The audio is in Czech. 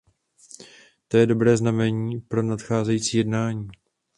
To je dobré znamení pro nadcházející jednání.